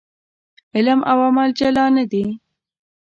علم او عمل جلا نه دي.